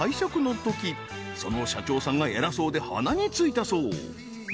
［その社長さんが偉そうで鼻についたそう］